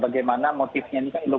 bagaimana motifnya ini kan belum